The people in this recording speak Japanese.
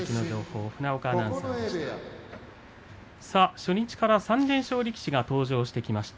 初日から３連勝力士が登場しました。